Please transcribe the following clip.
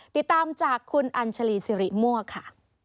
ติดตามจากคุณอัญชาลีซิริม่วเบียนค่ะ